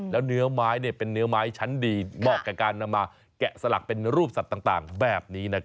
แล้วเนื้อไม้เป็นเนื้อไม้ชั้นดีเหมาะกับการนำมาแกะสลักเป็นรูปสัตว์ต่างแบบนี้